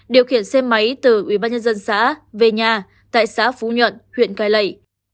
điều khiển xe máy từ ubnd xã về nhà tại xã phú nhuận huyện cai lậy